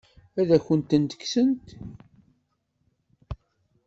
Ad akent-ten-kksent?